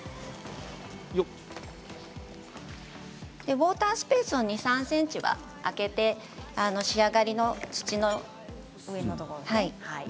ウォータースペース２、３ｃｍ空けて仕上がりの土のところですね。